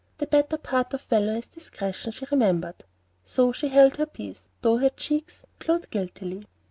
"The better part of valor is discretion," she remembered; so she held her peace, though her cheeks glowed guiltily.